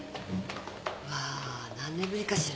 わー何年ぶりかしら。